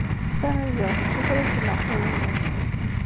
Tamaziɣt d tutlayt-nneɣ tayemmat.